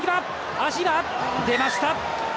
足が出ました。